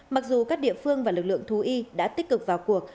mặc dù các địa phương và lực lượng thú y đã tích cực vào cuộc